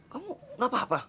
kamu gak apa apa